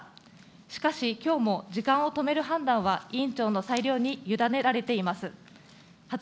しかし、きょうも時間を止める判断は委員長の裁量に委ねられています。